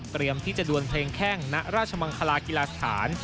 ที่จะดวนเพลงแข้งณราชมังคลากีฬาสถาน